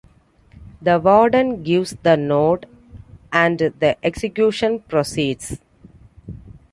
The warden gives the nod, and the execution proceeds.